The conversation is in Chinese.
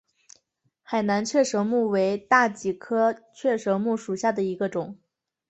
海南雀舌木为大戟科雀舌木属下的一个种。